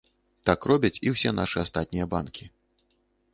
Так робяць і ўсе нашы астатнія банкі.